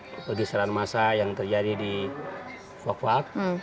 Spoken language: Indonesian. kegisaran masa yang terjadi di fokwak